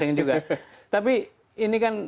yang juga tapi ini kan